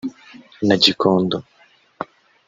na Gikondo